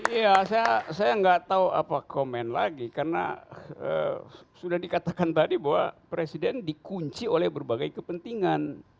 iya saya nggak tahu apa komen lagi karena sudah dikatakan tadi bahwa presiden dikunci oleh berbagai kepentingan